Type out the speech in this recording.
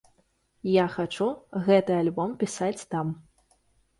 Я хачу гэты альбом пісаць там.